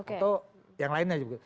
atau yang lainnya juga